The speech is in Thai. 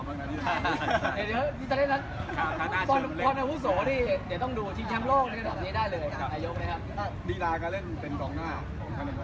นี่ลาสุดจริงทั้งหมดค่ะนี่